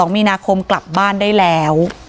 ๒มีนาคมกลับบ้านได้แล้ว